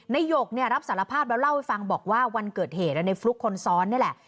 หยกเนี่ยรับสารภาพแล้วเล่าให้ฟังบอกว่าวันเกิดเหตุในฟลุ๊กคนซ้อนนี่แหละ